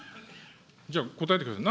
じゃあ、答えてください。